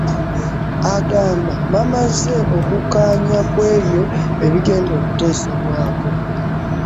Agamba bamaze okukkaanya ku ebyo ebigenda okuteesebwako.